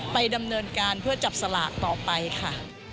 ไปดำเนินการเพื่อจับสลากต่อไปค่ะ